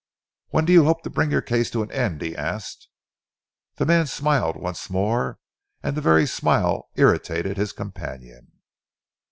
"When do you hope to bring your case to an end?" he asked. The man smiled once more, and the very smile irritated his companion.